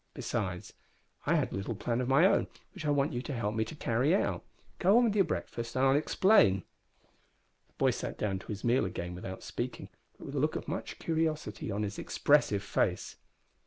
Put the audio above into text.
Besides, I had a little plan of my own which I want you to help me to carry out. Go on with your breakfast and I'll explain." The boy sat down to his meal again without speaking, but with a look of much curiosity on his expressive face.